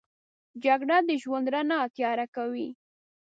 جګړه د ژوند رڼا تیاره کوي